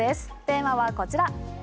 テーマはこちら。